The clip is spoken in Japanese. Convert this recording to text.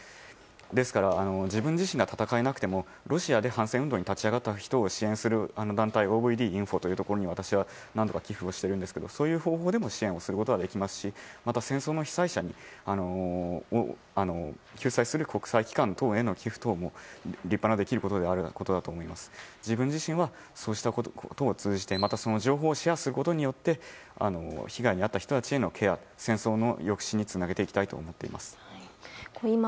ですから自分自身が戦えなくてもロシアで反戦運動に立ち上がった人を支援するＯＶＤインフォというところに寄付を何回かしているんですがそういう方法でも支援することはできますしまた、戦争の被災者を救済する国際機関等への寄付も立派なできることでもあると思うので自分自身はそうしたことも通じてまた情報をシェアすることによって被害を受けた人のケア戦争の抑止につなげていきたいと思います。